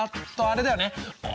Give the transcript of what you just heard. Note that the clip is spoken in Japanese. あれだよね！